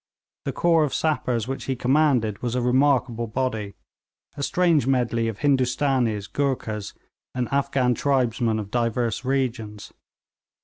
The corps of sappers which he commanded was a remarkable body a strange medley of Hindustanees, Goorkhas, and Afghan tribesmen of divers regions.